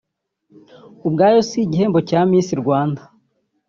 ubwayo si igihembo cya Miss Rwanda